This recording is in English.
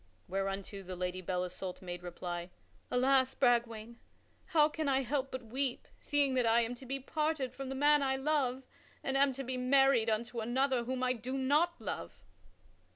Whereunto the Lady Belle Isoult made reply: "Alas, Bragwaine, how can I help but weep seeing that I am to be parted from the man I love and am to be married unto another whom I do not love?"